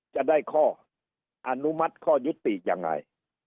จะได้ข้ออนุมัติข้อยุติยังไง